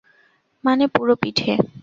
মানে, পুরো পিঠে?